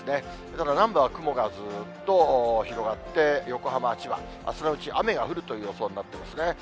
ただ、南部は雲がずーっと広がって、横浜、千葉、朝のうち雨が降るという予想になってますね。